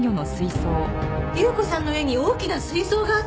優子さんの家に大きな水槽があった！